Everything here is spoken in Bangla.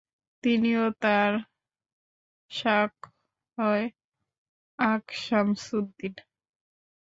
তিনি ও তার শায়খ আকশামসউদ্দিন